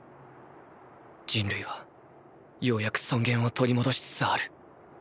人類はようやく尊厳を取り戻しつつある。